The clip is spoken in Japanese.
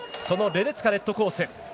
そのレデツカ、レッドコース。